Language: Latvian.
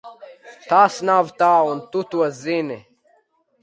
Tas nav tā, un tu to zini!